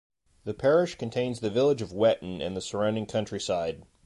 The parish contains the village of Wetton and the surrounding countryside.